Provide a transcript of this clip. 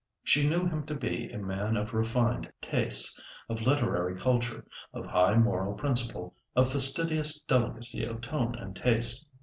She knew him to be a man of refined tastes, of literary culture, of high moral principle, of fastidious delicacy of tone and taste.